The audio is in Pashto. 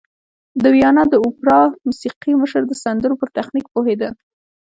د ویانا د اوپرا موسیقي مشر د سندرو پر تخنیک پوهېده